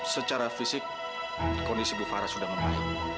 secara fisik kondisi bu farah sudah enak